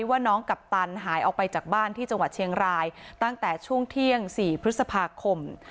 ว่าน้องกัปตันหายออกไปจากบ้านที่จังหวัดเชียงรายตั้งแต่ช่วงเที่ยง๔พฤษภาคม